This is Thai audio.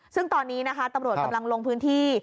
ซึ่งตอนนี้นะคะตำรวจกำลังลงพื้นที่